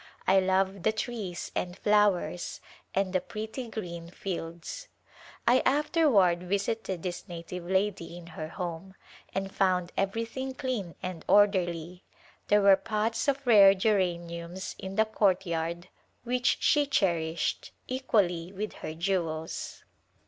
I love the trees and flowers and the pretty green fields." I afterward visited this na tive lady in her home and found everything clean and A Glimpse of India orderly. There were pots of rare geraniums in the courtyard which she cherished equally with her jewels.